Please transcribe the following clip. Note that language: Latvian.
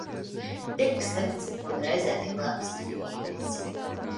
Tik slikts un reizē tik labs ķinītis.